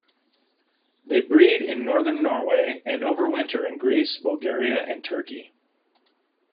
They breed in Northern Norway and overwinter in Greece, Bulgaria and Turkey.